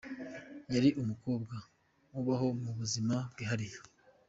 Yari umukobwa ubaho mu buzima bwihariye